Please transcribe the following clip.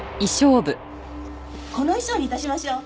この衣装に致しましょう。